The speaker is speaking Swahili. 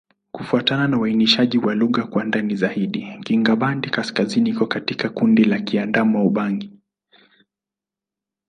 Kufuatana na uainishaji wa lugha kwa ndani zaidi, Kingbandi-Kaskazini iko katika kundi la Kiadamawa-Ubangi.